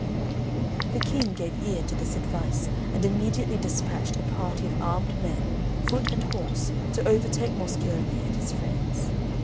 The King gave ear to this advice, and immediately despatched a party of armed men, foot and horse, to overtake Moscione and his friends.